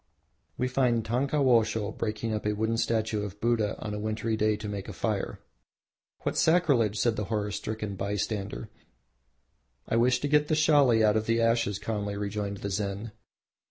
We find Tankawosho breaking up a wooden statue of Buddha on a wintry day to make a fire. "What sacrilege!" said the horror stricken bystander. "I wish to get the Shali out of the ashes," calmly rejoined the Zen.